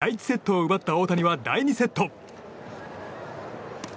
第１セットを奪った大谷は第２セット。